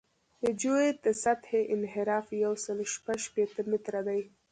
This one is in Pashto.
د جیوئید د سطحې انحراف یو سل شپږ شپېته متره دی